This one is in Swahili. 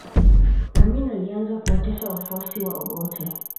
amini alianza kuwatesa wafuasi wa obote